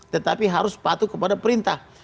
tetapi harus patuh kepada perintah